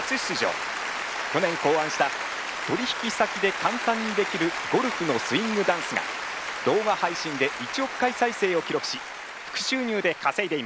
去年考案した取引先で簡単にできるゴルフのスイングダンスが動画配信で１億回再生を記録し副収入で稼いでいます。